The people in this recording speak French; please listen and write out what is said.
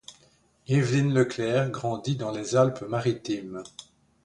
Évelyne Leclercq grandit dans les Alpes-Maritimes.